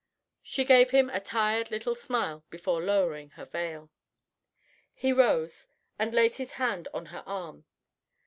She gave him a tired little smile before lowering her veil. He rose, and laid his hand on her arm.